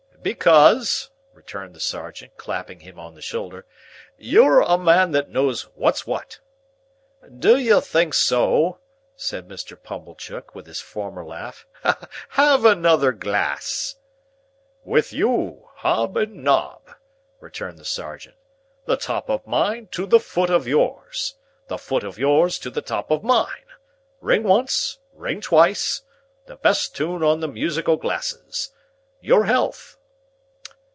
"Because," returned the sergeant, clapping him on the shoulder, "you're a man that knows what's what." "D'ye think so?" said Mr. Pumblechook, with his former laugh. "Have another glass!" "With you. Hob and nob," returned the sergeant. "The top of mine to the foot of yours,—the foot of yours to the top of mine,—Ring once, ring twice,—the best tune on the Musical Glasses! Your health.